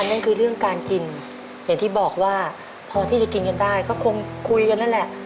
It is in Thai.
นั่นคือเรื่องการกินอย่างที่บอกว่าพอที่จะกินกันได้ก็คงคุยกันนั่นแหละ